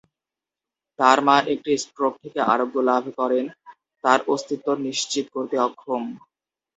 তার মা, একটি স্ট্রোক থেকে আরোগ্য লাভ করেন, তার অস্তিত্ব নিশ্চিত করতে অক্ষম।